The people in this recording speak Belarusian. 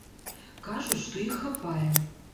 Кажуць, што іх хапае.